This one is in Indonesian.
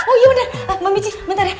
oh iya bener mbak mici